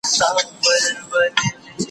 نابلده غل جومات ماتوي.